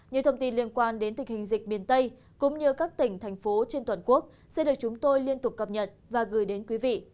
những thông tin liên quan đến tình hình dịch miền tây cũng như các tỉnh thành phố trên toàn quốc sẽ được chúng tôi liên tục cập nhật và gửi đến quý vị